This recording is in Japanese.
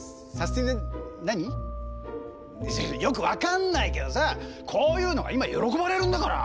よく分かんないけどさこういうのが今喜ばれるんだから。